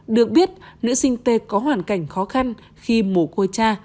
được biết nữ sinh t có hoàn cảnh khó khăn khi mổ cô cha